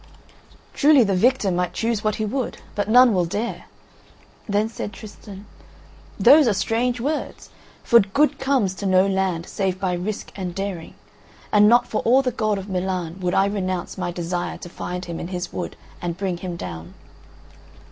"Truly, the victor might choose what he would, but none will dare." Then said Tristan: "Those are strange words, for good comes to no land save by risk and daring, and not for all the gold of Milan would I renounce my desire to find him in his wood and bring him down."